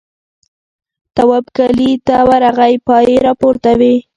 تواب کلي ته ورغی پایې راپورته وې.